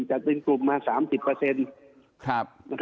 จัดเป็นกลุ่มมา๓๐